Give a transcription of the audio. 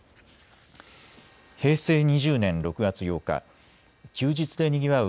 平成２０年６月８日、休日でにぎわう